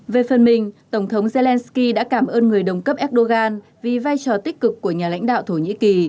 về phần mình tổng thống zelensky đã cảm ơn người đồng cấp erdogan vì vai trò tích cực của nhà lãnh đạo thổ nhĩ kỳ